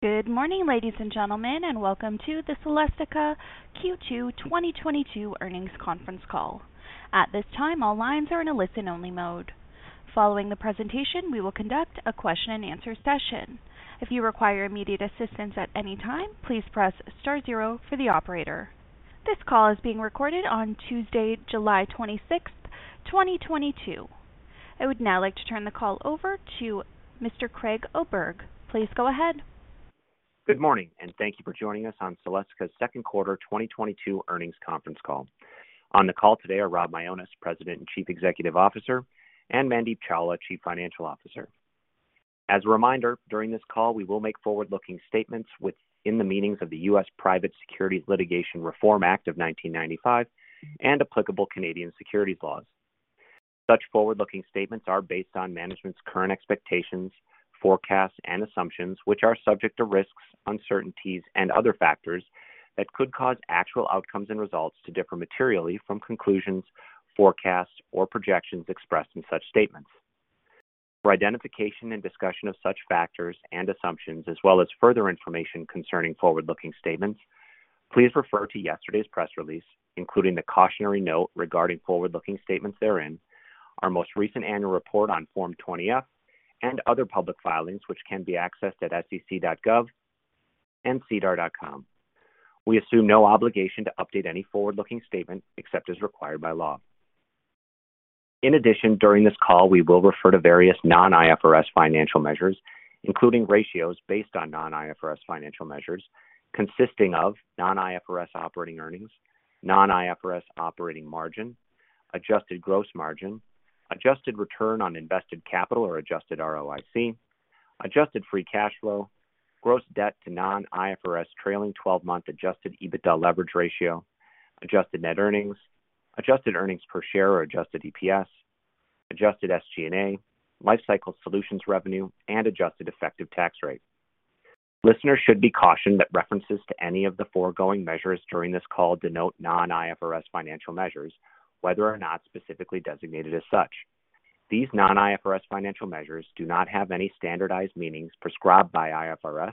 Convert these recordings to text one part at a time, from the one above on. Good morning, ladies and gentlemen, and welcome to the Celestica Q2 2022 earnings conference call. At this time, all lines are in a listen-only mode. Following the presentation, we will conduct a question-and-answer session. If you require immediate assistance at any time, please press star zero for the operator. This call is being recorded on Tuesday, July 26th, 2022. I would now like to turn the call over to Mr. Craig Oberg. Please go ahead. Good morning, and thank you for joining us on Celestica's second quarter 2022 earnings conference call. On the call today are Rob Mionis, President and Chief Executive Officer; and Mandeep Chawla, Chief Financial Officer. As a reminder, during this call, we will make forward-looking statements within the meanings of the U.S. Private Securities Litigation Reform Act of 1995 and applicable Canadian Securities Laws. Such forward-looking statements are based on management's current expectations, forecasts, and assumptions, which are subject to risks, uncertainties, and other factors that could cause actual outcomes and results to differ materially from conclusions, forecasts, or projections expressed in such statements. For identification and discussion of such factors and assumptions, as well as further information concerning forward-looking statements, please refer to yesterday's press release, including the cautionary note regarding forward-looking statements therein, our most recent annual report on Form 20-F, and other public filings, which can be accessed at SEC.gov and SEDAR.com. We assume no obligation to update any forward-looking statement except as required by law. In addition, during this call, we will refer to various non-IFRS financial measures, including ratios based on non-IFRS financial measures consisting of non-IFRS operating earnings, non-IFRS operating margin, adjusted gross margin, adjusted return on invested capital or adjusted ROIC, adjusted free cash flow, gross debt to non-IFRS trailing 12-month Adjusted EBITDA Leverage Ratio, Adjusted Net Earnings, Adjusted Earnings Per Share or Adjusted EPS, Adjusted SG&A, Lifecycle Solutions Revenue, and Adjusted Effective Tax Rate. Listeners should be cautioned that references to any of the foregoing measures during this call denote non-IFRS financial measures, whether or not specifically designated as such. These non-IFRS financial measures do not have any standardized meanings prescribed by IFRS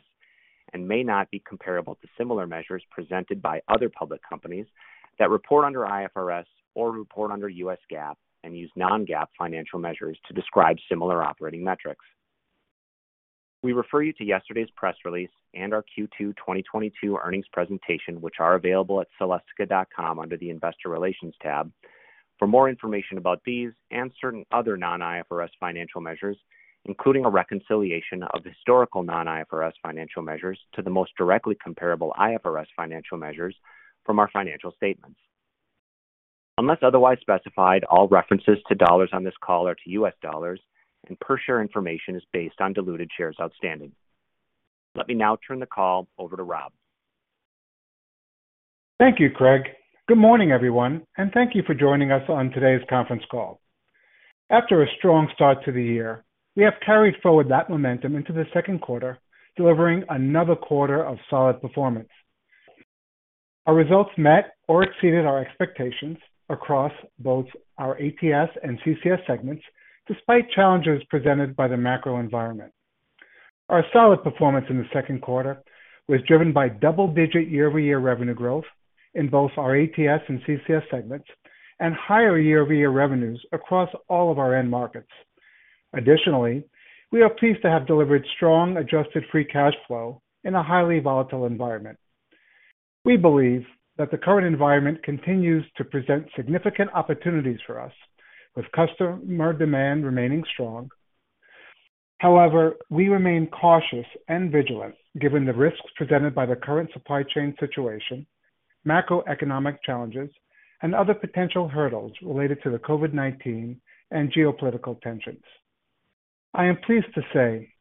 and may not be comparable to similar measures presented by other public companies that report under IFRS or report under U.S. GAAP and use non-GAAP financial measures to describe similar operating metrics. We refer you to yesterday's press release and our Q2 2022 earnings presentation, which are available at celestica.com under the Investor Relations tab for more information about these and certain other non-IFRS financial measures, including a reconciliation of historical non-IFRS financial measures to the most directly comparable IFRS financial measures from our financial statements. Unless otherwise specified, all references to dollars on this call are to U.S. dollars, and per share information is based on diluted shares outstanding. Let me now turn the call over to Rob. Thank you, Craig. Good morning, everyone, and thank you for joining us on today's conference call. After a strong start to the year, we have carried forward that momentum into the second quarter, delivering another quarter of solid performance. Our results met or exceeded our expectations across both our ATS and CCS segments, despite challenges presented by the macro environment. Our solid performance in the second quarter was driven by double-digit year-over-year revenue growth in both our ATS and CCS segments and higher year-over-year revenues across all of our end markets. Additionally, we are pleased to have delivered strong adjusted free cash flow in a highly volatile environment. We believe that the current environment continues to present significant opportunities for us with customer demand remaining strong. However, we remain cautious and vigilant given the risks presented by the current supply chain situation, macroeconomic challenges, and other potential hurdles related to the COVID-19 and geopolitical tensions. I am pleased to say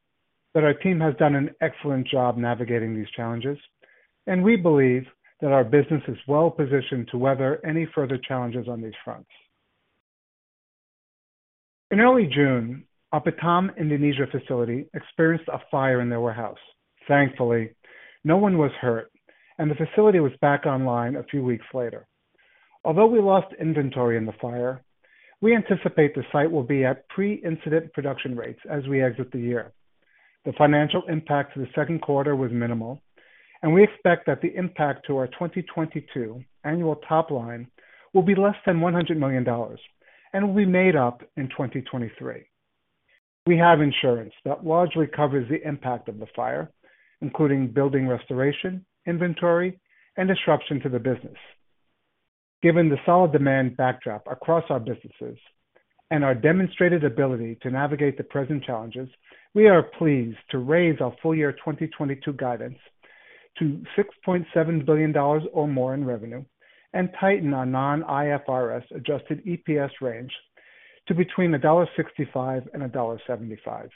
that our team has done an excellent job navigating these challenges, and we believe that our business is well positioned to weather any further challenges on these fronts. In early June, our Batam, Indonesia facility experienced a fire in their warehouse. Thankfully, no one was hurt, and the facility was back online a few weeks later. Although we lost inventory in the fire, we anticipate the site will be at pre-incident production rates as we exit the year. The financial impact to the second quarter was minimal, and we expect that the impact to our 2022 annual top line will be less than $100 million and will be made up in 2023. We have insurance that largely covers the impact of the fire, including building restoration, inventory, and disruption to the business. Given the solid demand backdrop across our businesses and our demonstrated ability to navigate the present challenges, we are pleased to raise our full-year 2022 guidance to $6.7 billion or more in revenue and tighten our non-IFRS adjusted EPS range to between $1.65 and $1.75.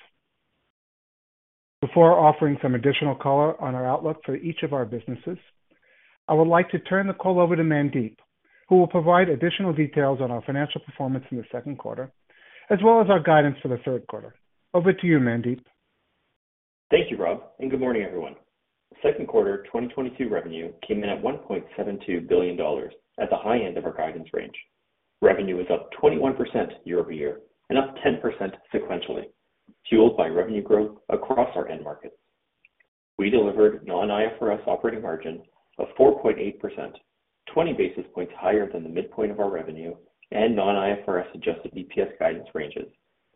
Before offering some additional color on our outlook for each of our businesses, I would like to turn the call over to Mandeep, who will provide additional details on our financial performance in the second quarter, as well as our guidance for the third quarter. Over to you, Mandeep. Thank you, Rob, and good morning, everyone. Second quarter 2022 revenue came in at $1.72 billion at the high end of our guidance range. Revenue was up 21% year-over-year and up 10% sequentially, fueled by revenue growth across our end markets. We delivered non-IFRS operating margin of 4.8%, 20 basis points higher than the midpoint of our revenue and non-IFRS adjusted EPS guidance ranges,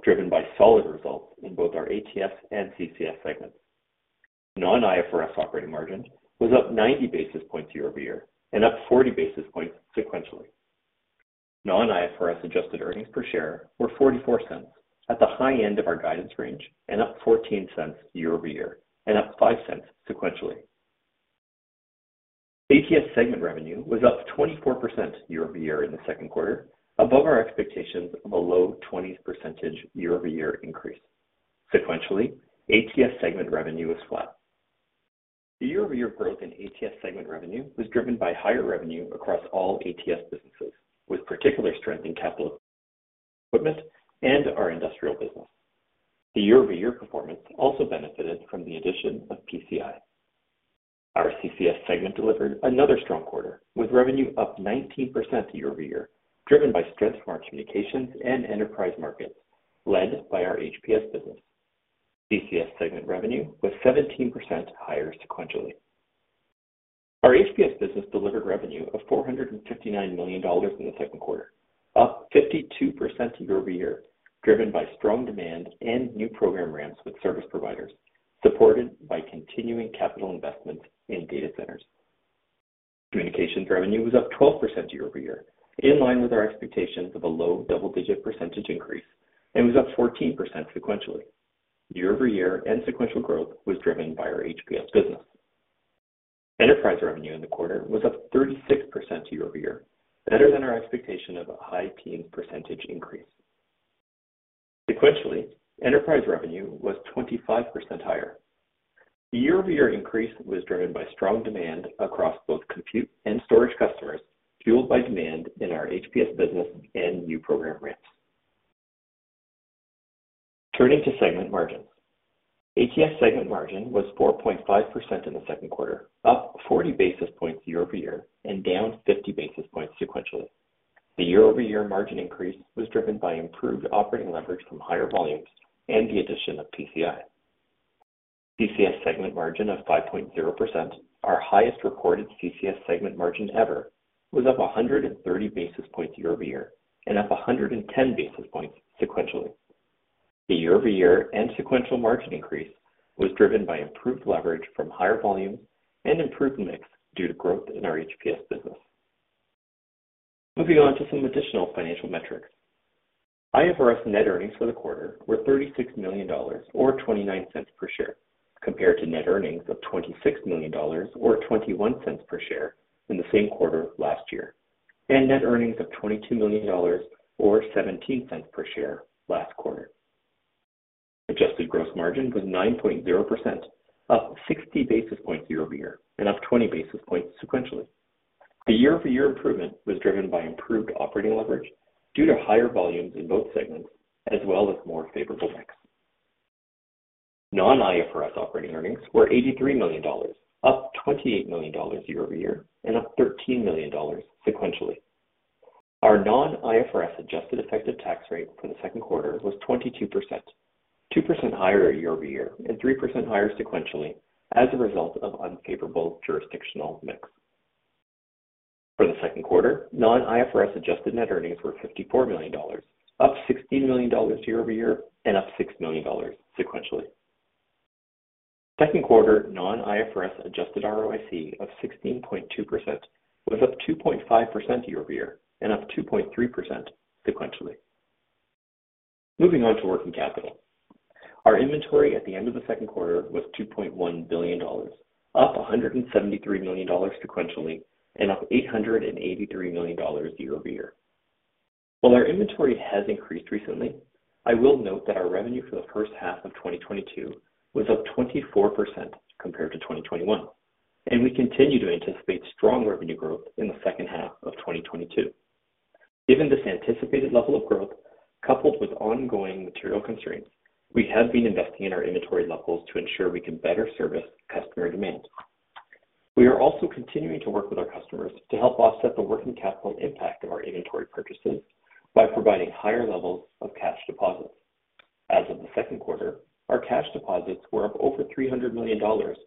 driven by solid results in both our ATS and CCS segments. Non-IFRS operating margin was up 90 basis points year-over-year and up 40 basis points sequentially. Non-IFRS adjusted earnings per share were $0.44 at the high end of our guidance range and up $0.14 year-over-year and up $0.05 sequentially. ATS segment revenue was up 24% year-over-year in the second quarter, above our expectations of a low 20s percentage year-over-year increase. Sequentially, ATS segment revenue was flat. The year-over-year growth in ATS segment revenue was driven by higher revenue across all ATS businesses, with particular strength in Capital Equipment and our Industrial business. The year-over-year performance also benefited from the addition of PCI. Our CCS segment delivered another strong quarter, with revenue up 19% year-over-year, driven by strength from our communications and enterprise markets led by our HPS business. CCS segment revenue was 17% higher sequentially. Our HPS business delivered revenue of $459 million in the second quarter, up 52% year-over-year, driven by strong demand and new program ramps with service providers, supported by continuing capital investments in data centers. Communications revenue was up 12% year-over-year, in line with our expectations of a low double-digit percentage increase, and was up 14% sequentially. Year-over-year and sequential growth was driven by our HPS business. Enterprise revenue in the quarter was up 36% year-over-year, better than our expectation of a high percentage increase. Sequentially, enterprise revenue was 25% higher. The year-over-year increase was driven by strong demand across both compute and storage customers, fueled by demand in our HPS business and new program ramps. Turning to segment margins. ATS segment margin was 4.5% in the second quarter, up 40 basis points year-over-year and down 50 basis points sequentially. The year-over-year margin increase was driven by improved operating leverage from higher volumes and the addition of PCI. CCS segment margin of 5.0%, our highest recorded CCS segment margin ever, was up 130 basis points year-over-year and up 110 basis points sequentially. The year-over-year and sequential margin increase was driven by improved leverage from higher volume and improved mix due to growth in our HPS business. Moving on to some additional financial metrics. IFRS net earnings for the quarter were $36 million or $0.29 per share, compared to net earnings of $26 million or $0.21 per share in the same quarter last year, and net earnings of $22 million or $0.17 per share last quarter. Adjusted gross margin was 9.0%, up 60 basis points year-over-year and up 20 basis points sequentially. The year-over-year improvement was driven by improved operating leverage due to higher volumes in both segments, as well as more favorable mix. non-IFRS operating earnings were $83 million, up $28 million year-over-year and up $13 million sequentially. Our non-IFRS adjusted effective tax rate for the second quarter was 22%, 2% higher year-over-year and 3% higher sequentially as a result of unfavorable jurisdictional mix. For the second quarter, non-IFRS adjusted net earnings were $54 million, up $16 million year-over-year and up $6 million sequentially. Second quarter non-IFRS adjusted ROIC of 16.2% was up 2.5% year-over-year and up 2.3% sequentially. Moving on to working capital. Our inventory at the end of the second quarter was $2.1 billion, up $173 million sequentially and up $883 million year-over-year. While our inventory has increased recently, I will note that our revenue for the first half of 2022 was up 24% compared to 2021, and we continue to anticipate strong revenue growth in the second half of 2022. Given this anticipated level of growth coupled with ongoing material constraints, we have been investing in our inventory levels to ensure we can better service customer demand. We are also continuing to work with our customers to help offset the working capital impact of our inventory purchases by providing higher levels of cash deposits. As of the second quarter, our cash deposits were up over $300 million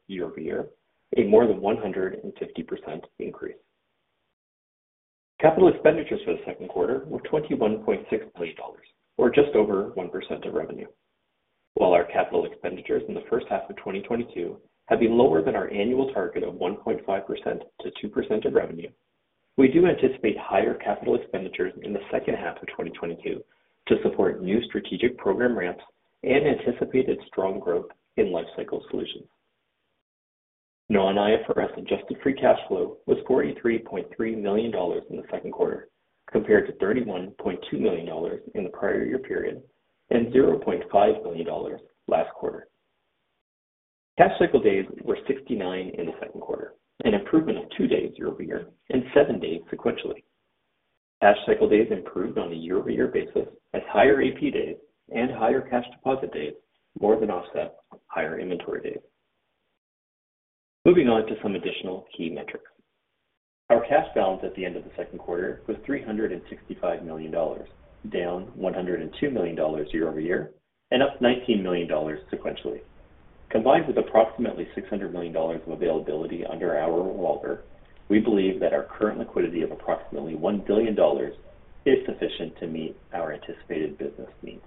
year-over-year, a more than 150% increase. Capital expenditures for the second quarter were $21.6 million or just over 1% of revenue. While our capital expenditures in the first half of 2022 have been lower than our annual target of 1.5%-2% of revenue, we do anticipate higher capital expenditures in the second half of 2022 to support new strategic program ramps and anticipated strong growth in Lifecycle Solutions. non-IFRS adjusted free cash flow was $43.3 million in the second quarter, compared to $31.2 million in the prior year period and $0.5 million last quarter. Cash cycle days were 69 in the second quarter, an improvement of two days year-over-year and seven days sequentially. Cash cycle days improved on a year-over-year basis as higher A/P days and higher cash deposit days more than offset higher inventory days. Moving on to some additional key metrics. Our cash balance at the end of the second quarter was $365 million, down $102 million year-over-year, and up $90 million sequentially. Combined with approximately $600 million of availability under our revolver, we believe that our current liquidity of approximately $1 billion is sufficient to meet our anticipated business needs.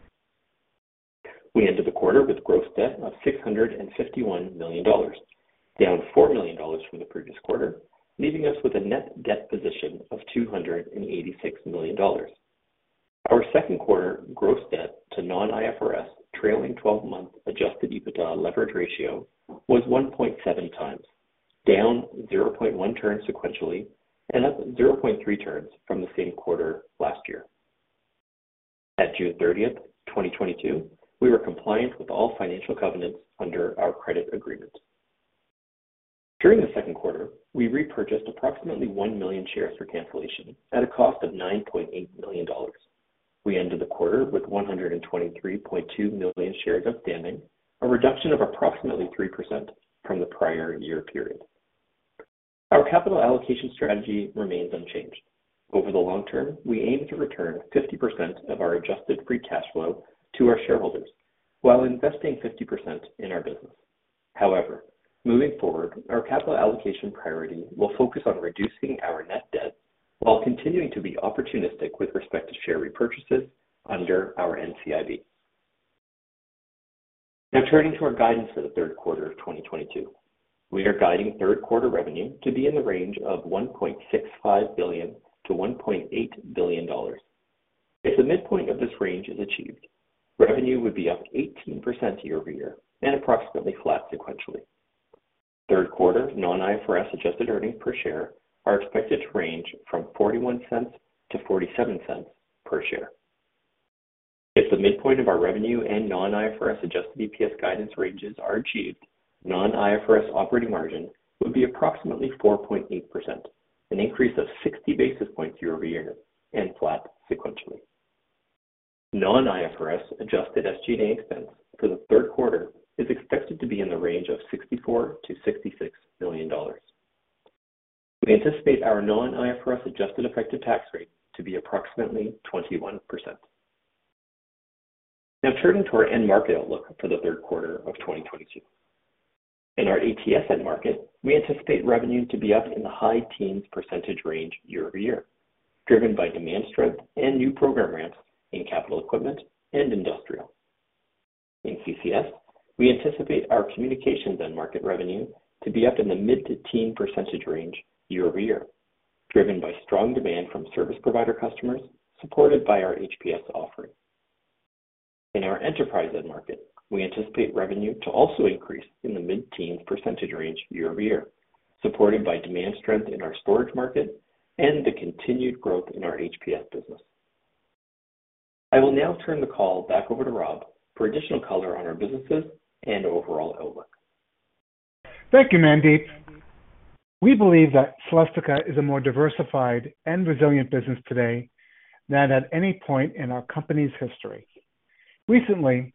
We ended the quarter with gross debt of $651 million, down $4 million from the previous quarter, leaving us with a net debt position of $286 million. Our second quarter gross debt to non-IFRS trailing 12-month Adjusted EBITDA leverage ratio was 1.7x, down 0.1 turn sequentially, and up 0.3 turns from the same quarter last year. At June 30th, 2022, we were compliant with all financial covenants under our credit agreement. During the second quarter, we repurchased approximately 1 million shares for cancellation at a cost of $9.8 million. We ended the quarter with 123.2 million shares outstanding, a reduction of approximately 3% from the prior year period. Our capital allocation strategy remains unchanged. Over the long term, we aim to return 50% of our adjusted free cash flow to our shareholders while investing 50% in our business. However, moving forward, our capital allocation priority will focus on reducing our net debt while continuing to be opportunistic with respect to share repurchases under our NCIB. Now turning to our guidance for the third quarter of 2022. We are guiding third quarter revenue to be in the range of $1.65 billion-$1.8 billion. If the midpoint of this range is achieved, revenue would be up 18% year-over-year and approximately flat sequentially. Third quarter non-IFRS adjusted earnings per share are expected to range from $0.41-$0.47 per share. If the midpoint of our revenue and non-IFRS adjusted EPS guidance ranges are achieved, non-IFRS operating margin would be approximately 4.8%, an increase of 60 basis points year-over-year and flat sequentially. Non-IFRS adjusted SG&A expense for the third quarter is expected to be in the range of $64 million-$66 million. We anticipate our non-IFRS adjusted effective tax rate to be approximately 21%. Now turning to our end market outlook for the third quarter of 2022. In our ATS end market, we anticipate revenue to be up in the high-teen perccentage range year-over-year, driven by demand strength and new program ramps in Capital Equipment and Industrial. In CCS, we anticipate our communications end market revenue to be up in the mid- to teen percentage range year-over-year, driven by strong demand from service provider customers supported by our HPS offering. In our enterprise end market, we anticipate revenue to also increase in the mid-teen % range year-over-year, supported by demand strength in our storage market and the continued growth in our HPS business. I will now turn the call back over to Rob for additional color on our businesses and overall outlook. Thank you, Mandeep. We believe that Celestica is a more diversified and resilient business today than at any point in our company's history. Recently,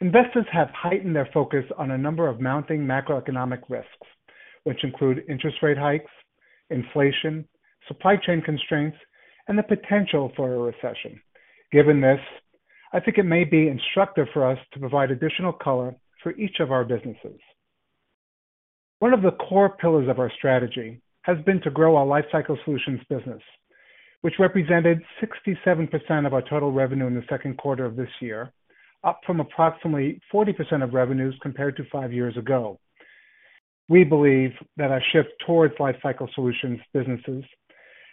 investors have heightened their focus on a number of mounting macroeconomic risks, which include interest rate hikes, inflation, supply chain constraints, and the potential for a recession. Given this, I think it may be instructive for us to provide additional color for each of our businesses. One of the core pillars of our strategy has been to grow our Lifecycle Solutions business, which represented 67% of our total revenue in the second quarter of this year, up from approximately 40% of revenues compared to five years ago. We believe that our shift towards Lifecycle Solutions businesses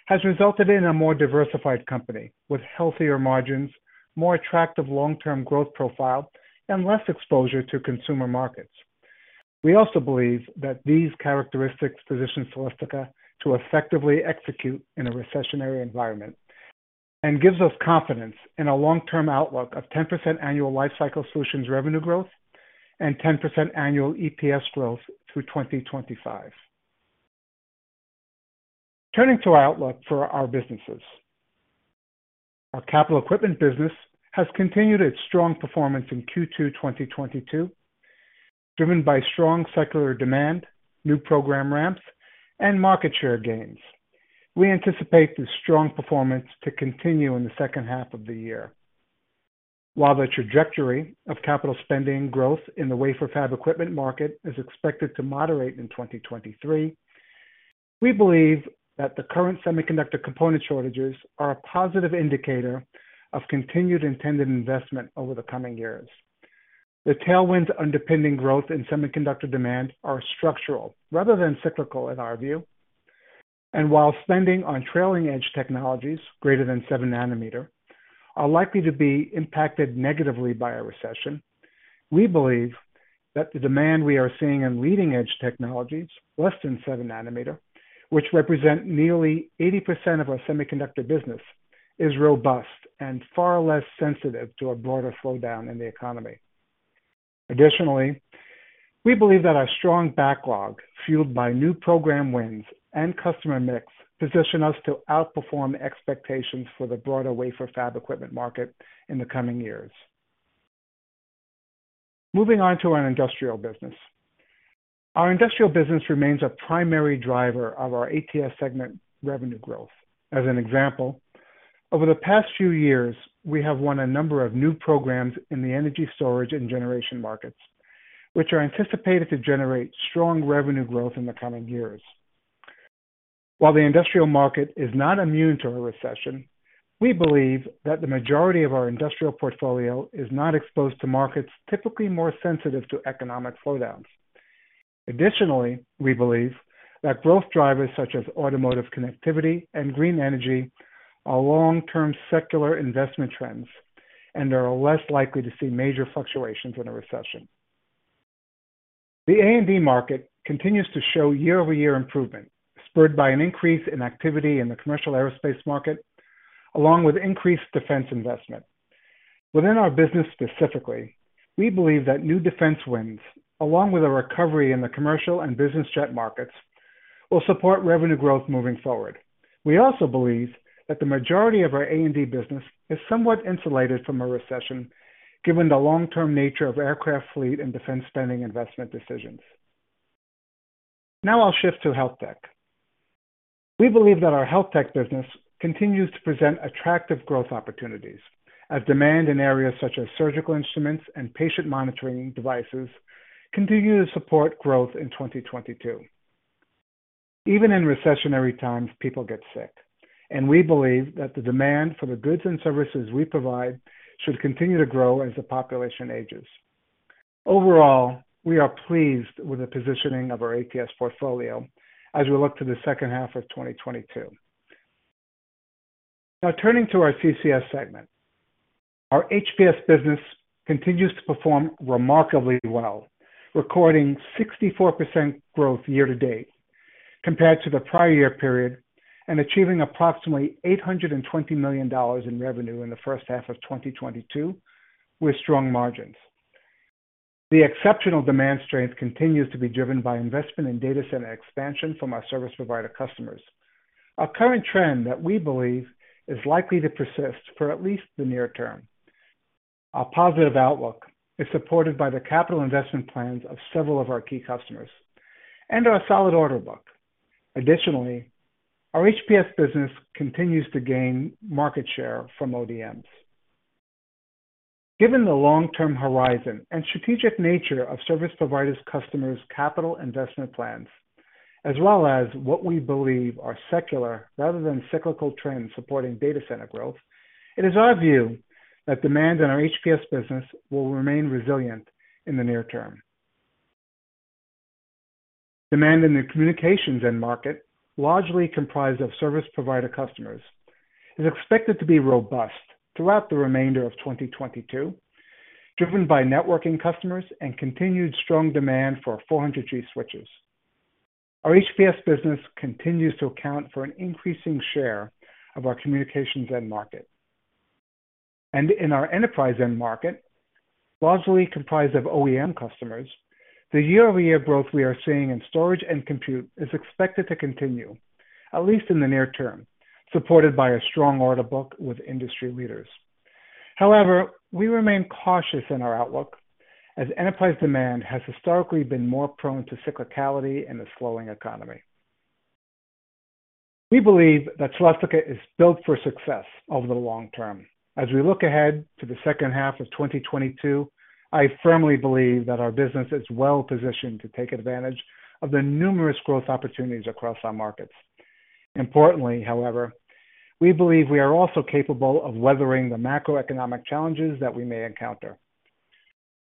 has resulted in a more diversified company with healthier margins, more attractive long-term growth profile, and less exposure to consumer markets. We also believe that these characteristics position Celestica to effectively execute in a recessionary environment and gives us confidence in a long-term outlook of 10% annual Lifecycle Solutions revenue growth and 10% annual EPS growth through 2025. Turning to our outlook for our businesses. Our Capital Equipment business has continued its strong performance in Q2 2022, driven by strong secular demand, new program ramps, and market share gains. We anticipate this strong performance to continue in the second half of the year. While the trajectory of capital spending growth in the wafer fab equipment market is expected to moderate in 2023, we believe that the current semiconductor component shortages are a positive indicator of continued intended investment over the coming years. The tailwinds underpinning growth in semiconductor demand are structural rather than cyclical in our view, and while spending on trailing edge technologies greater than 7-nanometer are likely to be impacted negatively by a recession, we believe that the demand we are seeing in leading-edge technologies less than 7-nanometer, which represent nearly 80% of our semiconductor business, is robust and far less sensitive to a broader slowdown in the economy. Additionally, we believe that our strong backlog, fueled by new program wins and customer mix, position us to outperform expectations for the broader wafer fab equipment market in the coming years. Moving on to our industrial business. Our industrial business remains a primary driver of our ATS segment revenue growth. As an example, over the past few years, we have won a number of new programs in the energy storage and generation markets, which are anticipated to generate strong revenue growth in the coming years. While the industrial market is not immune to a recession, we believe that the majority of our industrial portfolio is not exposed to markets typically more sensitive to economic slowdowns. Additionally, we believe that growth drivers such as automotive connectivity and green energy are long-term secular investment trends, and they are less likely to see major fluctuations in a recession. The A&D market continues to show year-over-year improvement, spurred by an increase in activity in the commercial aerospace market, along with increased defense investment. Within our business specifically, we believe that new defense wins, along with a recovery in the commercial and business jet markets, will support revenue growth moving forward. We also believe that the majority of our A&D business is somewhat insulated from a recession given the long-term nature of aircraft fleet and defense spending investment decisions. Now I'll shift to health tech. We believe that our health tech business continues to present attractive growth opportunities as demand in areas such as surgical instruments and patient monitoring devices continue to support growth in 2022. Even in recessionary times, people get sick, and we believe that the demand for the goods and services we provide should continue to grow as the population ages. Overall, we are pleased with the positioning of our ATS portfolio as we look to the second half of 2022. Now turning to our CCS segment. Our HPS business continues to perform remarkably well, recording 64% growth year to date compared to the prior year period and achieving approximately $820 million in revenue in the first half of 2022 with strong margins. The exceptional demand strength continues to be driven by investment in data center expansion from our service provider customers, a current trend that we believe is likely to persist for at least the near term. Our positive outlook is supported by the capital investment plans of several of our key customers and our solid order book. Additionally, our HPS business continues to gain market share from OEMs. Given the long-term horizon and strategic nature of service providers customers' capital investment plans, as well as what we believe are secular rather than cyclical trends supporting data center growth, it is our view that demand in our HPS business will remain resilient in the near term. Demand in the communications end market, largely comprised of service provider customers, is expected to be robust throughout the remainder of 2022, driven by networking customers and continued strong demand for 400G switches. Our HPS business continues to account for an increasing share of our communications end market. In our enterprise end market, largely comprised of OEM customers, the year-over-year growth we are seeing in storage and compute is expected to continue, at least in the near term, supported by a strong order book with industry leaders. However, we remain cautious in our outlook, as enterprise demand has historically been more prone to cyclicality in a slowing economy. We believe that Celestica is built for success over the long term. As we look ahead to the second half of 2022, I firmly believe that our business is well positioned to take advantage of the numerous growth opportunities across our markets. Importantly, however, we believe we are also capable of weathering the macroeconomic challenges that we may encounter.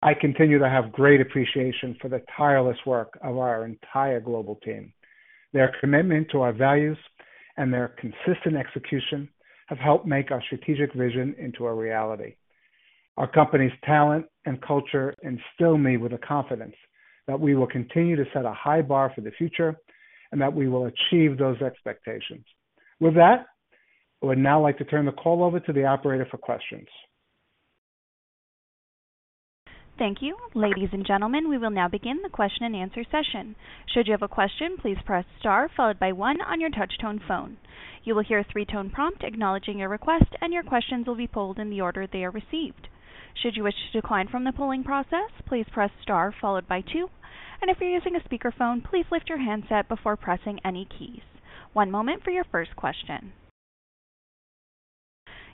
I continue to have great appreciation for the tireless work of our entire global team. Their commitment to our values and their consistent execution have helped make our strategic vision into a reality. Our company's talent and culture instill me with the confidence that we will continue to set a high bar for the future and that we will achieve those expectations. With that, I would now like to turn the call over to the operator for questions. Thank you. Ladies and gentlemen, we will now begin the question and answer session. Should you have a question, please press star followed by one on your touch-tone phone. You will hear a three-tone prompt acknowledging your request, and your questions will be polled in the order they are received. Should you wish to decline from the polling process, please press star followed by two. If you're using a speakerphone, please lift your handset before pressing any keys. One moment for your first question.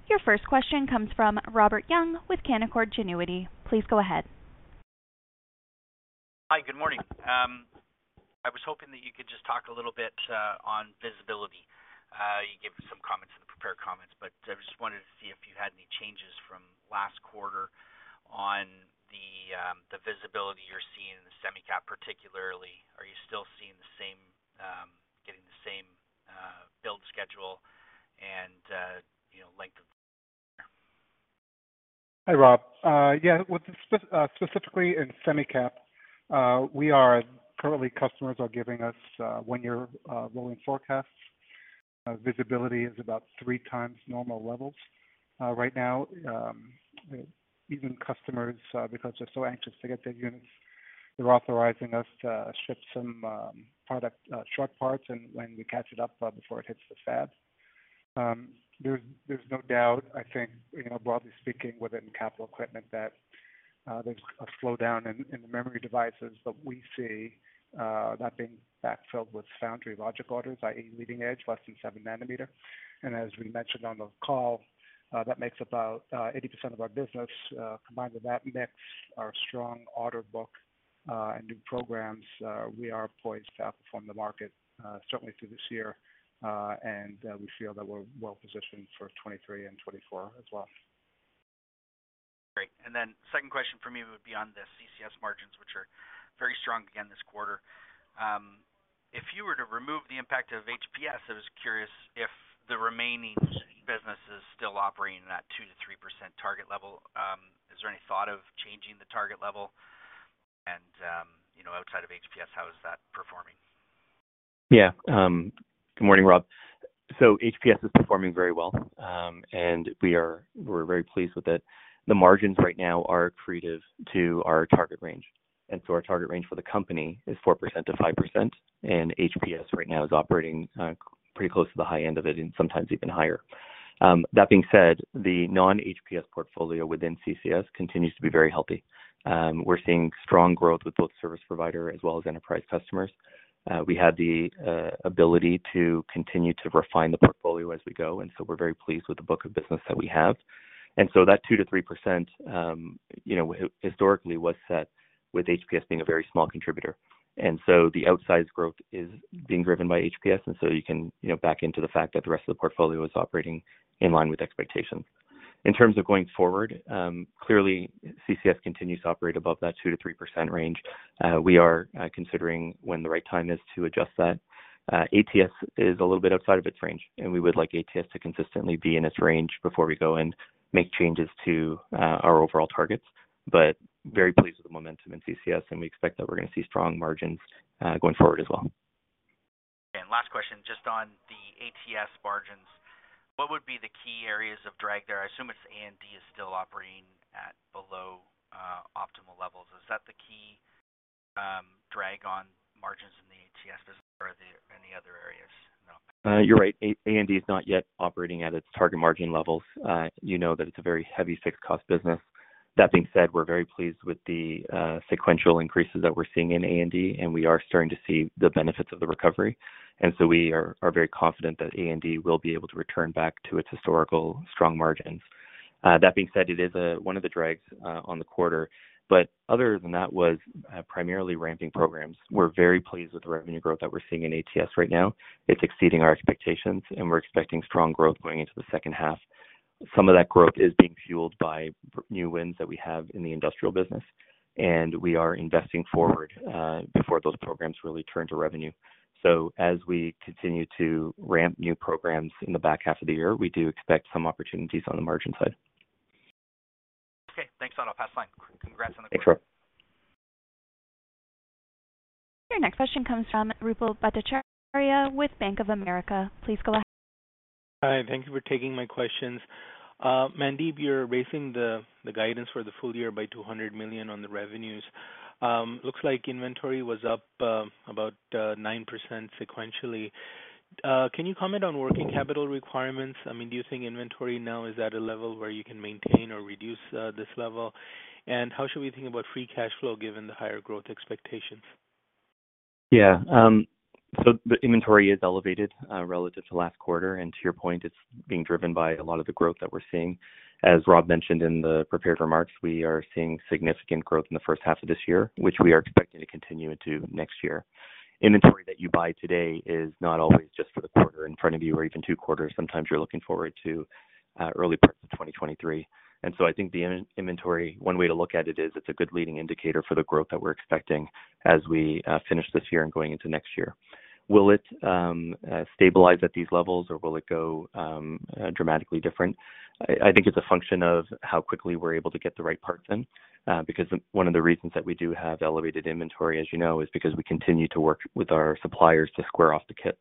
Your first question comes from Robert Young with Canaccord Genuity. Please go ahead. Hi, good morning. I was hoping that you could just talk a little bit on visibility. You gave some comments in the prepared comments, but I just wanted to see if you had any changes from last quarter on the visibility you're seeing in the semi cap particularly. Are you still seeing the same build schedule and you know length of lead time? Hi, Rob. With specifically in semi cap, our customers are giving us one-year rolling forecasts. Visibility is about 3x normal levels. Right now, even customers because they're so anxious to get their units, they're authorizing us to ship some product short parts and when we catch it up before it hits the fab. There's no doubt, I think, you know, broadly speaking, within Capital Equipment, that there's a slowdown in the memory devices, but we see that being backfilled with foundry logic orders, i.e., leading edge less than 7-nanometer. As we mentioned on the call, that makes about 80% of our business. Combined with that mix, our strong order book, and new programs, we are poised to outperform the market, certainly through this year. We feel that we're well positioned for 2023 and 2024 as well. Great. Then second question for me would be on the CCS margins, which are very strong again this quarter. If you were to remove the impact of HPS, I was curious if the remaining business is still operating in that 2%-3% target level. Is there any thought of changing the target level? You know, outside of HPS, how is that performing? Yeah. Good morning, Rob. HPS is performing very well, and we're very pleased with it. The margins right now are accretive to our target range. Our target range for the company is 4%-5%, and HPS right now is operating pretty close to the high end of it and sometimes even higher. That being said, the non-HPS portfolio within CCS continues to be very healthy. We're seeing strong growth with both service provider as well as enterprise customers. We have the ability to continue to refine the portfolio as we go, and so we're very pleased with the book of business that we have. That 2%-3%, you know, historically was set with HPS being a very small contributor. The outsized growth is being driven by HPS. You can, you know, back into the fact that the rest of the portfolio is operating in line with expectations. In terms of going forward, clearly, CCS continues to operate above that 2%-3% range. We are considering when the right time is to adjust that. ATS is a little bit outside of its range, and we would like ATS to consistently be in its range before we go and make changes to our overall targets, but very pleased with the momentum in CCS, and we expect that we're going to see strong margins going forward as well. Last question, just on the ATS margins, what would be the key areas of drag there? I assume it's A&D is still operating at below optimal levels. Is that the key drag on margins in the ATS business or are there any other areas? No. You're right. A&D is not yet operating at its target margin levels. You know that it's a very heavy fixed cost business. That being said, we're very pleased with the sequential increases that we're seeing in A&D, and we are starting to see the benefits of the recovery. We are very confident that A&D will be able to return back to its historical strong margins. That being said, it is one of the drags on the quarter, but other than that was primarily ramping programs. We're very pleased with the revenue growth that we're seeing in ATS right now. It's exceeding our expectations, and we're expecting strong growth going into the second half. Some of that growth is being fueled by new wins that we have in the industrial business, and we are investing forward before those programs really turn to revenue. As we continue to ramp new programs in the back half of the year, we do expect some opportunities on the margin side. Okay. Thanks a lot. I'll pass the line. Congrats on the quarter. Thanks, Rob. Your next question comes from Ruplu Bhattacharya with Bank of America. Please go ahead. Hi, thank you for taking my questions. Mandeep, you're raising the guidance for the full year by $200 million on the revenues. Looks like inventory was up about 9% sequentially. Can you comment on working capital requirements? I mean, do you think inventory now is at a level where you can maintain or reduce this level? How should we think about free cash flow given the higher growth expectations? Yeah. The inventory is elevated relative to last quarter. To your point, it's being driven by a lot of the growth that we're seeing. As Rob mentioned in the prepared remarks, we are seeing significant growth in the first half of this year, which we are expecting to continue into next year. Inventory that you buy today is not always just for the quarter in front of you or even two quarters. Sometimes you're looking forward to early parts of 2023. I think the inventory, one way to look at it is it's a good leading indicator for the growth that we're expecting as we finish this year and going into next year. Will it stabilize at these levels, or will it go dramatically different? I think it's a function of how quickly we're able to get the right parts in, because one of the reasons that we do have elevated inventory, as you know, is because we continue to work with our suppliers to square off the kits.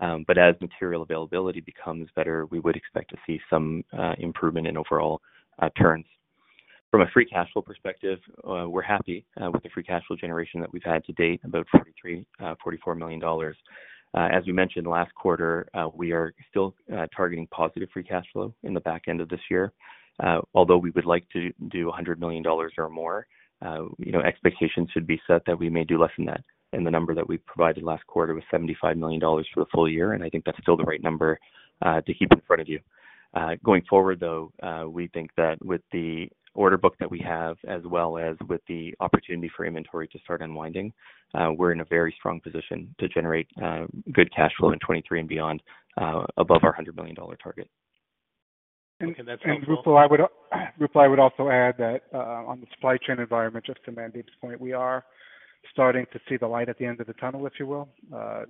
As material availability becomes better, we would expect to see some improvement in overall turns. From a free cash flow perspective, we're happy with the free cash flow generation that we've had to date, about $44 million. As we mentioned last quarter, we are still targeting positive free cash flow in the back end of this year. Although we would like to do $100 million or more, you know, expectations should be set that we may do less than that. The number that we provided last quarter was $75 million for the full year, and I think that's still the right number to keep in front of you. Going forward, though, we think that with the order book that we have, as well as with the opportunity for inventory to start unwinding, we're in a very strong position to generate good cash flow in 2023 and beyond, above our $100 million target. Can that follow up- Ruplu, I would also add that on the supply chain environment, just to Mandeep's point, we are starting to see the light at the end of the tunnel, if you will.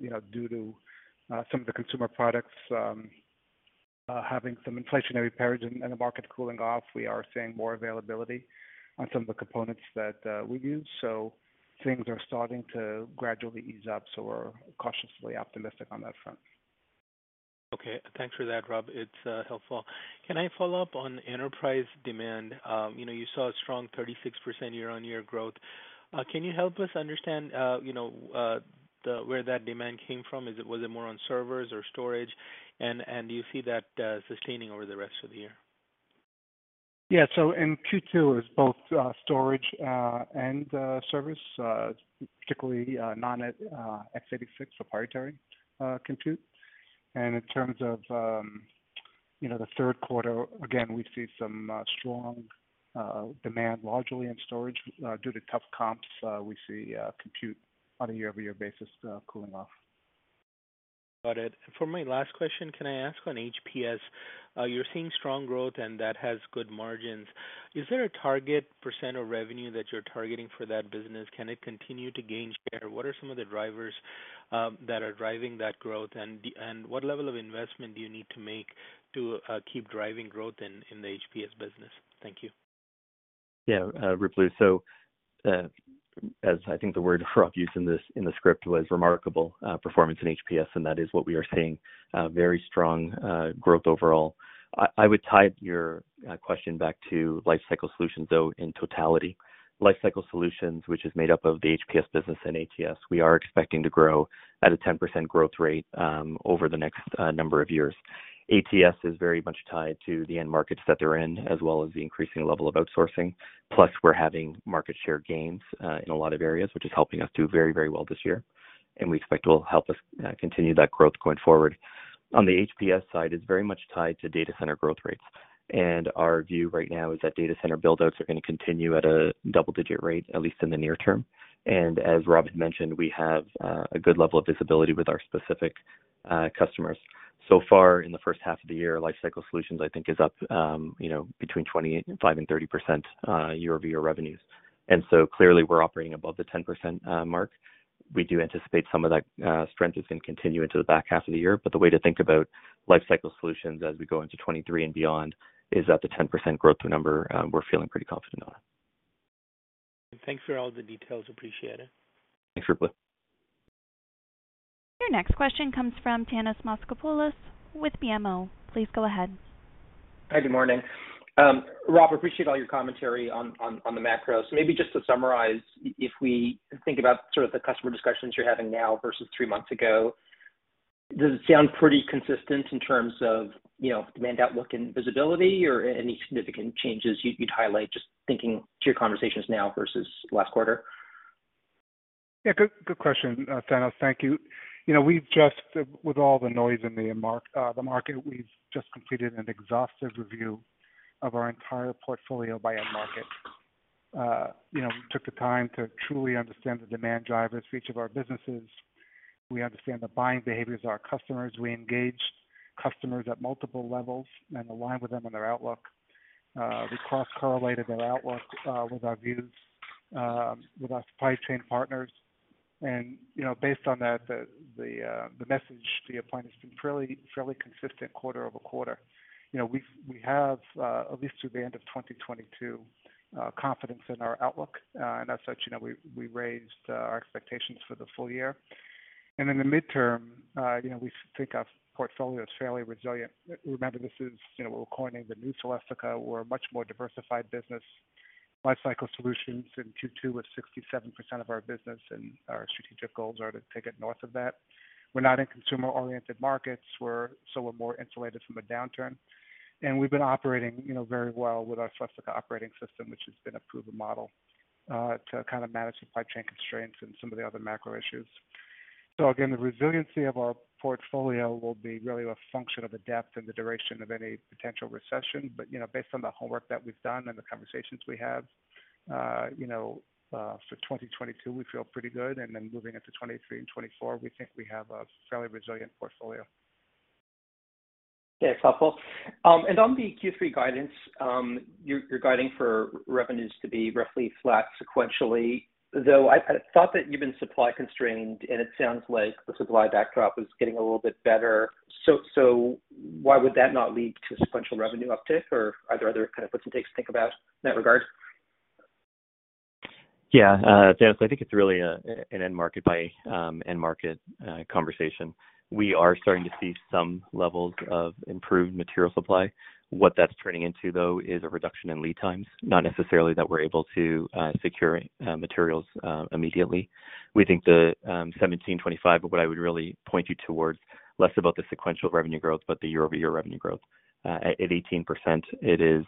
You know, due to some of the consumer products having some inflationary periods and the market cooling off, we are seeing more availability on some of the components that we use. Things are starting to gradually ease up. We're cautiously optimistic on that front. Okay. Thanks for that, Rob. It's helpful. Can I follow up on enterprise demand? You know, you saw a strong 36% year-on-year growth. Can you help us understand, you know, where that demand came from? Was it more on servers or storage? Do you see that sustaining over the rest of the year? Yeah. In Q2, it was both storage and service, particularly non-x86 proprietary compute. In terms of, you know, the third quarter, again, we see some strong demand largely in storage due to tough comps. We see compute on a year-over-year basis cooling off. Got it. For my last question, can I ask on HPS? You're seeing strong growth, and that has good margins. Is there a target percent of revenue that you're targeting for that business? Can it continue to gain share? What are some of the drivers that are driving that growth? What level of investment do you need to make to keep driving growth in the HPS business? Thank you. Yeah. Ruplu, as I think the word Rob used in this, in the script was remarkable performance in HPS, and that is what we are seeing, very strong growth overall. I would tie your question back to Lifecycle Solutions, though, in totality. Lifecycle Solutions, which is made up of the HPS business and ATS. We are expecting to grow at a 10% growth rate, over the next number of years. ATS is very much tied to the end markets that they're in, as well as the increasing level of outsourcing. Plus, we're having market share gains, in a lot of areas, which is helping us do very, very well this year, and we expect it will help us continue that growth going forward. On the HPS side is very much tied to data center growth rates. Our view right now is that data center build outs are going to continue at a double-digit rate, at least in the near term. As Rob had mentioned, we have a good level of visibility with our specific customers. So far in the first half of the year, Lifecycle Solutions, I think is up between 25% and 30% year-over-year revenues. Clearly we're operating above the 10% mark. We do anticipate some of that strength is going to continue into the back half of the year. The way to think about Lifecycle Solutions as we go into 2023 and beyond is that the 10% growth number we're feeling pretty confident on. Thanks for all the details. Appreciate it. Thanks, Ruplu. Your next question comes from Thanos Moschopoulos with BMO. Please go ahead. Hi, good morning. Rob, appreciate all your commentary on the macro. Maybe just to summarize, if we think about sort of the customer discussions you're having now versus three months ago, does it sound pretty consistent in terms of, you know, demand outlook and visibility or any significant changes you'd highlight just thinking to your conversations now versus last quarter? Yeah. Good question, Thanos. Thank you. You know, with all the noise in the market, we've just completed an exhaustive review of our entire portfolio by end market. You know, took the time to truly understand the demand drivers for each of our businesses. We understand the buying behaviors of our customers. We engaged customers at multiple levels and aligned with them on their outlook. We cross correlated their outlook with our views with our supply chain partners. You know, based on that, the message to your point has been fairly consistent quarter-over-quarter. You know, we have at least through the end of 2022 confidence in our outlook. As such, you know, we raised our expectations for the full year. In the midterm, you know, we think our portfolio is fairly resilient. Remember, this is, you know, what we're coining the New Celestica. We're a much more diversified business Lifecycle Solutions in Q2 with 67% of our business, and our strategic goals are to take it north of that. We're not in consumer-oriented markets. We're more insulated from a downturn. We've been operating, you know, very well with our Celestica Operating System, which has been a proven model to kind of manage supply chain constraints and some of the other macro issues. Again, the resiliency of our portfolio will be really a function of the depth and the duration of any potential recession. You know, based on the homework that we've done and the conversations we have, you know, for 2022, we feel pretty good. Moving into 2023 and 2024, we think we have a fairly resilient portfolio. Yeah, it's helpful. On the Q3 guidance, you're guiding for revenues to be roughly flat sequentially, though I thought that you've been supply constrained, and it sounds like the supply backdrop is getting a little bit better. Why would that not lead to a sequential revenue uptick or are there other kind of puts and takes to think about in that regard? Yeah. Thanos, I think it's really an end-market-by-end-market conversation. We are starting to see some levels of improved material supply. What that's turning into, though, is a reduction in lead times, not necessarily that we're able to secure materials immediately. We think the 70/25, but what I would really point you towards less about the sequential revenue growth, but the year-over-year revenue growth at 18%, it is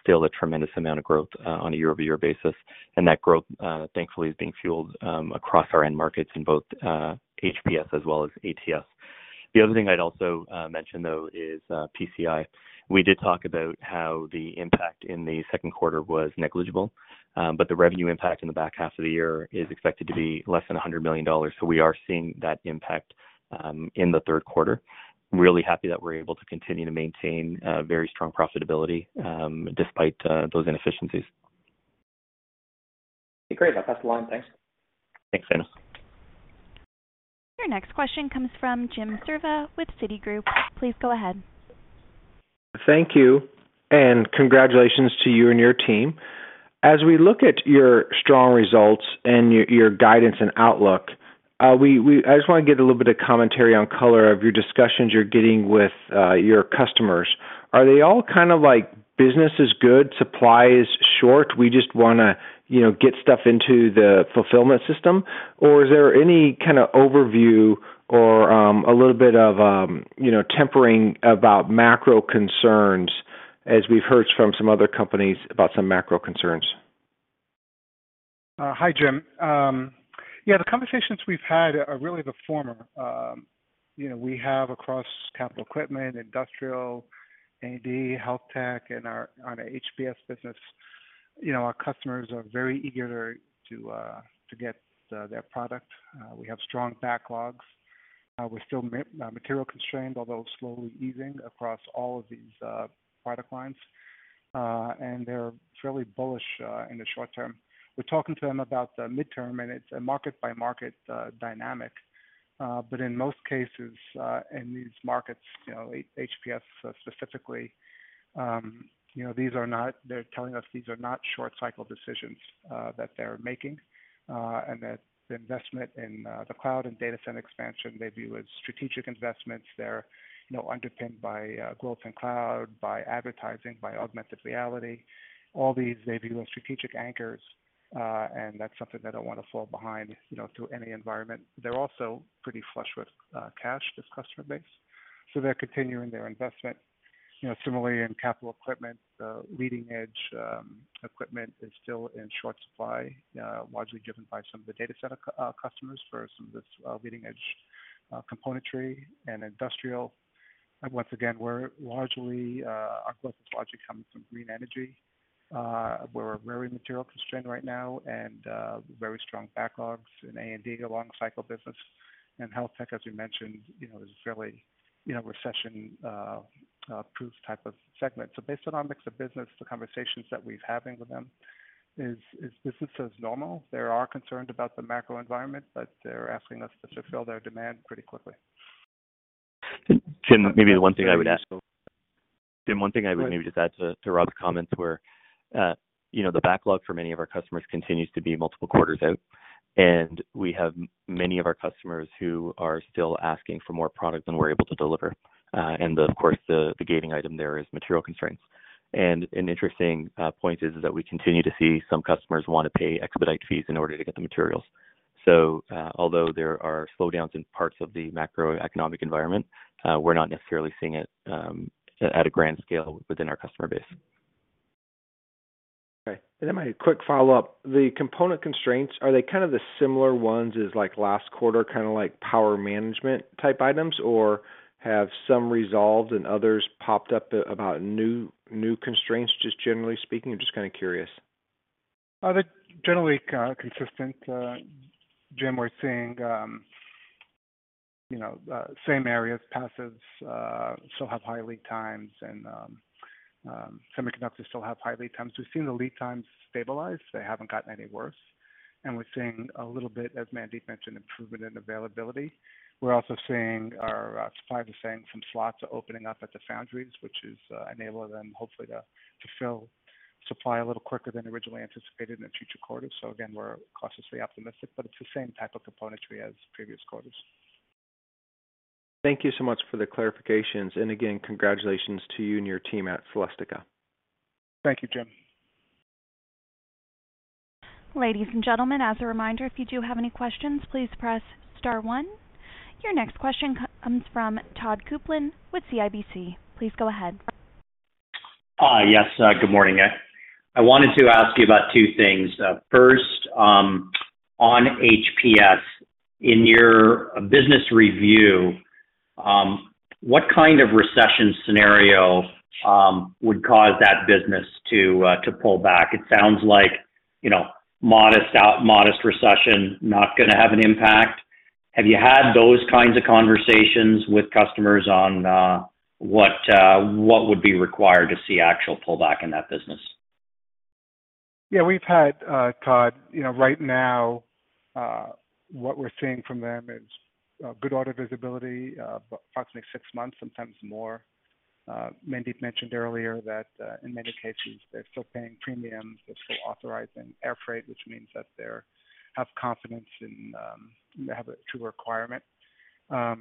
still a tremendous amount of growth on a year-over-year basis. That growth, thankfully, is being fueled across our end markets in both HPS as well as ATS. The other thing I'd also mention though is PCI. We did talk about how the impact in the second quarter was negligible, but the revenue impact in the back half of the year is expected to be less than $100 million. We are seeing that impact in the third quarter. Really happy that we're able to continue to maintain very strong profitability despite those inefficiencies. Great. I'll pass along. Thanks. Thanks, Thanos. Your next question comes from Jim Suva with Citigroup. Please go ahead. Thank you, and congratulations to you and your team. As we look at your strong results and your guidance and outlook, I just want to get a little bit of commentary on color of your discussions you're getting with your customers. Are they all kind of like business is good, supply is short, we just wanna, you know, get stuff into the fulfillment system? Or is there any kind of overview or a little bit of, you know, tempering about macro concerns as we've heard from some other companies about some macro concerns? Hi, Jim. Yeah, the conversations we've had are really the former. You know, we have across Capital Equipment, Industrial, A&D, Health Tech, and our HPS business. You know, our customers are very eager to get their product. We have strong backlogs. We're still material constrained, although slowly easing across all of these product lines. They're fairly bullish in the short term. We're talking to them about the midterm, and it's a market-by-market dynamic. But in most cases, in these markets, you know, HPS specifically, you know, they're telling us these are not short cycle decisions that they're making. That the investment in the cloud and data center expansion, they view as strategic investments. They're, you know, underpinned by growth in cloud, by advertising, by augmented reality. All these they view as strategic anchors, and that's something they don't want to fall behind, you know, through any environment. They're also pretty flush with cash, this customer base, so they're continuing their investment. You know, similarly in Capital Equipment, leading-edge equipment is still in short supply, largely driven by some of the data center customers for some of this, leading-edge componentry and industrial. Once again, we're largely our growth logic comes from green energy. We're very materially constrained right now and very strong backlogs in A&D, a long cycle business. Health tech, as you mentioned, you know, is fairly, you know, recession-proof type of segment. Based on our mix of business, the conversations that we're having with them is business as normal. They are concerned about the macro environment, but they're asking us to fulfill their demand pretty quickly. Jim, one thing I would maybe just add to Rob's comments were, you know, the backlog for many of our customers continues to be multiple quarters out, and we have many of our customers who are still asking for more product than we're able to deliver. Of course, the gating item there is material constraints. An interesting point is that we continue to see some customers want to pay expedite fees in order to get the materials. Although there are slowdowns in parts of the macroeconomic environment, we're not necessarily seeing it at a grand scale within our customer base. Okay. I have a quick follow-up. The component constraints, are they kind of the similar ones as like last quarter, kinda like power management type items? Or have some resolved and others popped up about new constraints just generally speaking? I'm just kinda curious. They're generally consistent. Jim, we're seeing you know same areas, passives still have high lead times and semiconductors still have high lead times. We've seen the lead times stabilize. They haven't gotten any worse. We're seeing a little bit, as Mandeep mentioned, improvement in availability. We're also seeing our suppliers are saying some slots are opening up at the foundries, which is enabling them hopefully to fill supply a little quicker than originally anticipated in the future quarters. Again, we're cautiously optimistic, but it's the same type of componentry as previous quarters. Thank you so much for the clarifications. Again, congratulations to you and your team at Celestica. Thank you, Jim. Ladies and gentlemen, as a reminder, if you do have any questions, please press star one. Your next question comes from Todd Coupland with CIBC. Please go ahead. Yes, good morning. I wanted to ask you about two things. First, on HPS, in your business review, what kind of recession scenario would cause that business to pull back? It sounds like, you know, modest recession not gonna have an impact. Have you had those kinds of conversations with customers on what would be required to see actual pullback in that business? Yeah, we've had, Todd. You know, right now, what we're seeing from them is good order visibility, approximately six months, sometimes more. Mandeep mentioned earlier that, in many cases they're still paying premiums, they're still authorizing air freight, which means that they have confidence in. They have a true requirement. You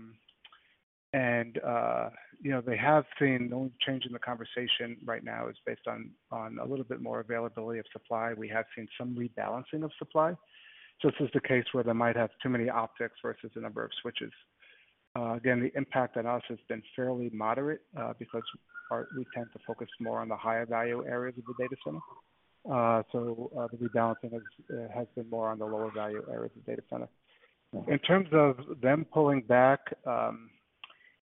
know, the only change in the conversation right now is based on a little bit more availability of supply. We have seen some rebalancing of supply. This is the case where they might have too many optics versus the number of switches. Again, the impact on us has been fairly moderate, because we tend to focus more on the higher value areas of the data center. The rebalancing has been more on the lower value areas of data center. In terms of them pulling back,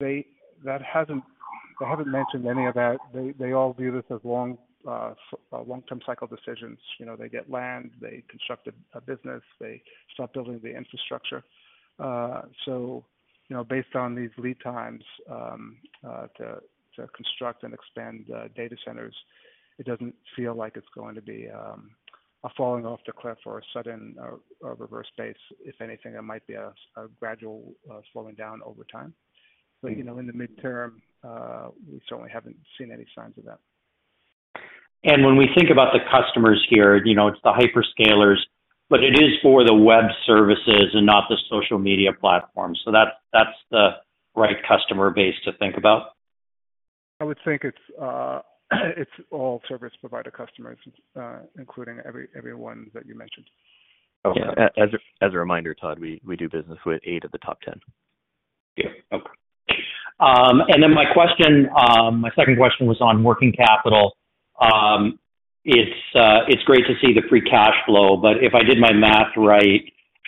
they haven't mentioned any of that. They all view this as long-term cycle decisions. You know, they get land, they construct a business, they start building the infrastructure. You know, based on these lead times, to construct and expand data centers, it doesn't feel like it's going to be a falling off the cliff or a sudden reverse pace. If anything, it might be a gradual slowing down over time. You know, in the midterm, we certainly haven't seen any signs of that. When we think about the customers here, you know, it's the hyperscalers, but it is for the web services and not the social media platform. That's the right customer base to think about. I would think it's all service provider customers, including everyone that you mentioned. Okay. As a reminder, Todd, we do business with eight of the top ten. Yeah. Okay. My second question was on working capital. It's great to see the free cash flow, but if I did my math right,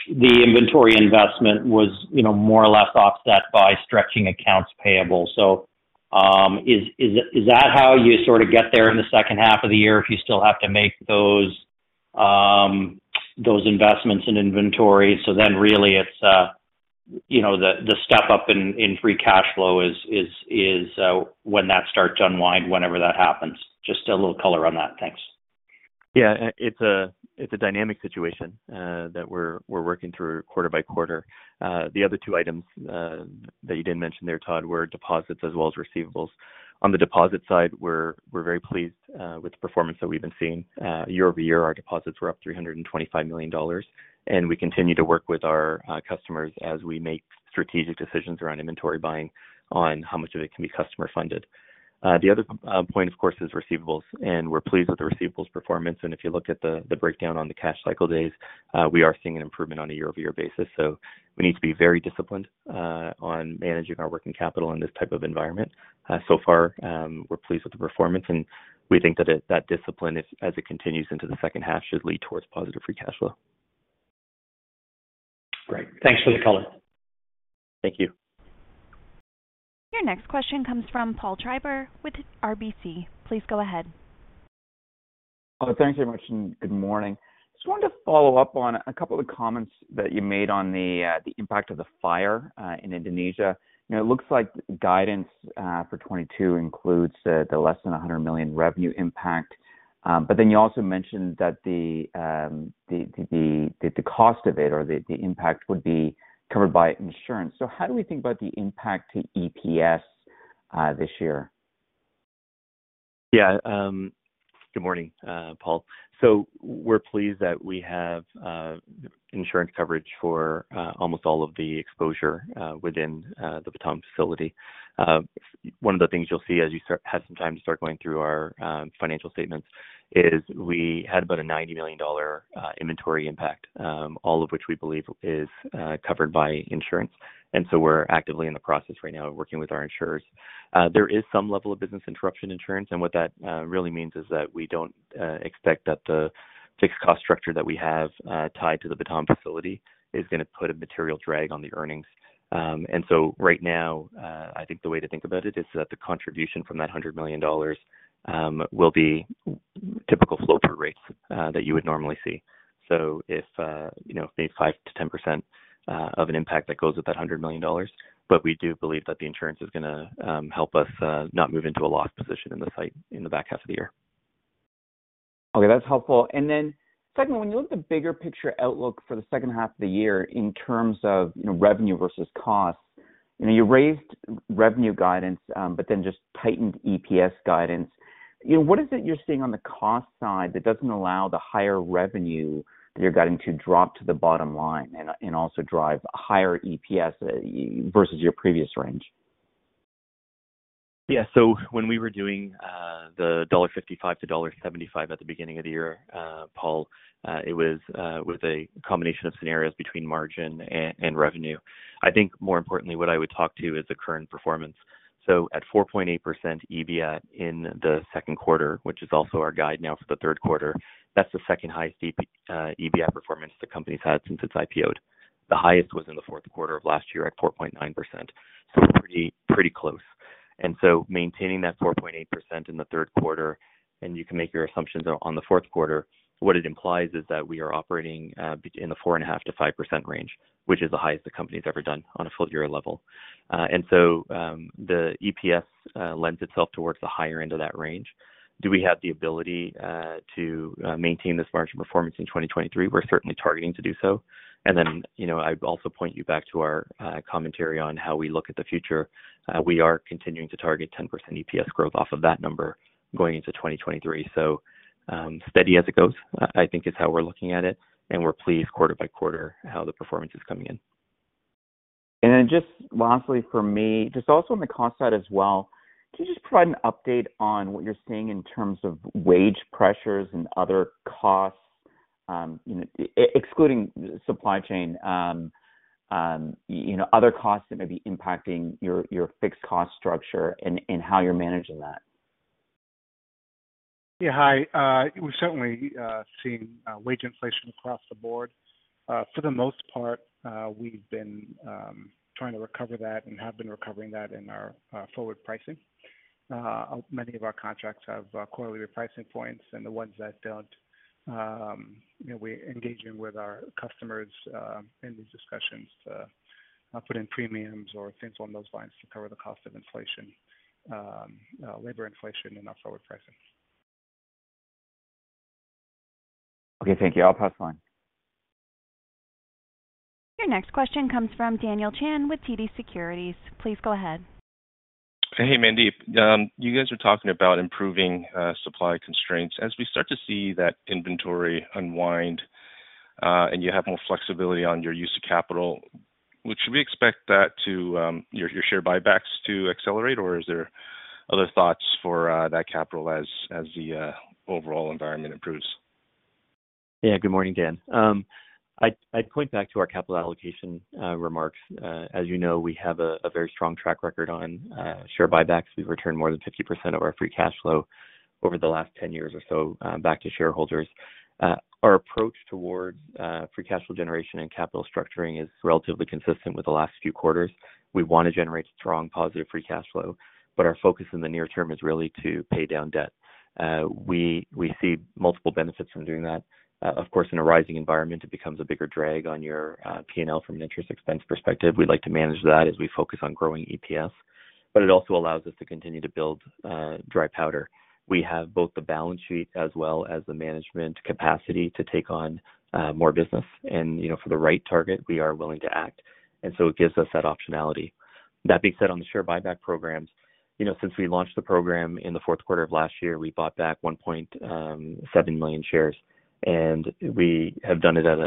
the inventory investment was, you know, more or less offset by stretching accounts payable. Is that how you sort of get there in the second half of the year if you still have to make those investments in inventory? Really it's, you know, the step up in free cash flow is when that starts to unwind, whenever that happens. Just a little color on that. Thanks. Yeah. It's a dynamic situation that we're working through quarter by quarter. The other two items that you didn't mention there, Todd, were deposits as well as receivables. On the deposit side, we're very pleased with the performance that we've been seeing. Year-over-year, our deposits were up $325 million, and we continue to work with our customers as we make strategic decisions around inventory buying on how much of it can be customer funded. The other point, of course, is receivables, and we're pleased with the receivables performance. If you look at the breakdown on the cash cycle days, we are seeing an improvement on a year-over-year basis. We need to be very disciplined on managing our working capital in this type of environment. So far, we're pleased with the performance, and we think that discipline is, as it continues into the second half, should lead towards positive free cash flow. Great. Thanks for the color. Thank you. Your next question comes from Paul Treiber with RBC. Please go ahead. Oh, thanks very much, and good morning. Just wanted to follow up on a couple of comments that you made on the impact of the fire in Indonesia. You know, it looks like guidance for 2022 includes the less than $100 million revenue impact. Then you also mentioned that the cost of it or the impact would be covered by insurance. How do we think about the impact to EPS this year? Yeah, good morning, Paul. We're pleased that we have insurance coverage for almost all of the exposure within the Batam facility. One of the things you'll see as you have some time to start going through our financial statements is we had about a $90 million inventory impact, all of which we believe is covered by insurance. We're actively in the process right now of working with our insurers. There is some level of business interruption insurance, and what that really means is that we don't expect that the fixed cost structure that we have tied to the Batam facility is gonna put a material drag on the earnings. Right now, I think the way to think about it is that the contribution from that $100 million will be typical flow-through rates that you would normally see. If you know, maybe 5%-10% of an impact that goes with that $100 million. We do believe that the insurance is gonna help us not move into a loss position in the site in the back half of the year. Okay, that's helpful. Then secondly, when you look at the bigger picture outlook for the second half of the year in terms of, you know, revenue versus costs, you know, you raised revenue guidance, but then just tightened EPS guidance. You know, what is it you're seeing on the cost side that doesn't allow the higher revenue that you're guiding to drop to the bottom line and also drive higher EPS versus your previous range? Yeah. When we were doing $1.55-$1.75 at the beginning of the year, Paul, it was a combination of scenarios between margin and revenue. I think more importantly, what I would talk to is the current performance. At 4.8% EBITDA in the second quarter, which is also our guide now for the third quarter, that's the second highest EBITDA performance the company's had since it's IPO'd. The highest was in the fourth quarter of last year at 4.9%. Pretty close. Maintaining that 4.8% in the third quarter, and you can make your assumptions on the fourth quarter, what it implies is that we are operating in the 4.5%-5% range, which is the highest the company's ever done on a full year level. The EPS lends itself towards the higher end of that range. Do we have the ability to maintain this margin performance in 2023? We're certainly targeting to do so. You know, I'd also point you back to our commentary on how we look at the future. We are continuing to target 10% EPS growth off of that number going into 2023. Steady as it goes, I think is how we're looking at it, and we're pleased quarter by quarter how the performance is coming in. Just lastly for me, just also on the cost side as well, can you just provide an update on what you're seeing in terms of wage pressures and other costs, you know, excluding supply chain, you know, other costs that may be impacting your fixed cost structure and how you're managing that? Yeah. Hi. We've certainly seen wage inflation across the board. For the most part, we've been trying to recover that and have been recovering that in our forward pricing. Many of our contracts have quarterly repricing points, and the ones that don't, you know, we're engaging with our customers in these discussions to put in premiums or things along those lines to cover the cost of inflation, labor inflation in our forward pricing. Okay, thank you. I'll pass the line. Your next question comes from Daniel Chan with TD Securities. Please go ahead. Hey, Mandeep. You guys are talking about improving supply constraints. As we start to see that inventory unwind, and you have more flexibility on your use of capital, what should we expect that to your share buybacks to accelerate or is there other thoughts for that capital as the overall environment improves? Yeah. Good morning, Dan. I'd point back to our capital allocation remarks. As you know, we have a very strong track record on share buybacks. We've returned more than 50% of our free cash flow over the last 10 years or so back to shareholders. Our approach towards free cash flow generation and capital structuring is relatively consistent with the last few quarters. We wanna generate strong positive free cash flow, but our focus in the near term is really to pay down debt. We see multiple benefits from doing that. Of course, in a rising environment, it becomes a bigger drag on your P&L from an interest expense perspective. We'd like to manage that as we focus on growing EPS, but it also allows us to continue to build dry powder. We have both the balance sheet as well as the management capacity to take on more business. You know, for the right target, we are willing to act, and so it gives us that optionality. That being said, on the share buyback programs, you know, since we launched the program in the fourth quarter of last year, we bought back 1.7 million shares, and we have done it at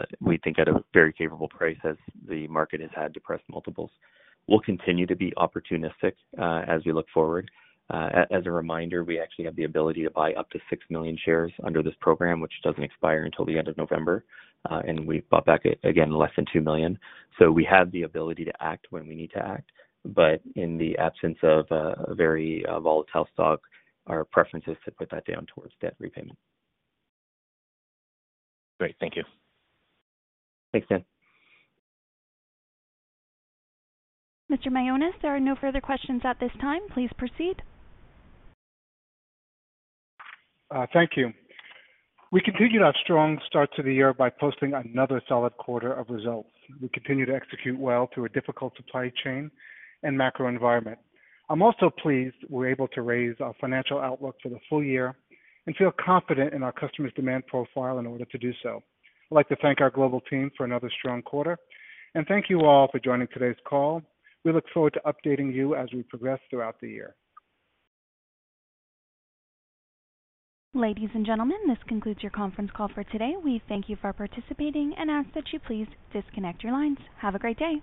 a very favorable price as the market has had depressed multiples, we think. We'll continue to be opportunistic as we look forward. As a reminder, we actually have the ability to buy up to 6 million shares under this program, which doesn't expire until the end of November. We've bought back, again, less than 2 million. We have the ability to act when we need to act, but in the absence of a very volatile stock, our preference is to put that down towards debt repayment. Great. Thank you. Thanks, Dan. Mr. Mionis, there are no further questions at this time. Please proceed. Thank you. We continued our strong start to the year by posting another solid quarter of results. We continue to execute well through a difficult supply chain and macro environment. I'm also pleased we're able to raise our financial outlook for the full year and feel confident in our customers' demand profile in order to do so. I'd like to thank our global team for another strong quarter, and thank you all for joining today's call. We look forward to updating you as we progress throughout the year. Ladies and gentlemen, this concludes your conference call for today. We thank you for participating and ask that you please disconnect your lines. Have a great day.